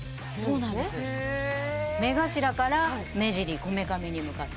目頭から目尻こめかみに向かって。